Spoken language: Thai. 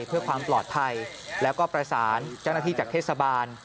เพื่อความปลอดภัยแล้วก็ประสานเจ้าหน้าที่จากเทศบาล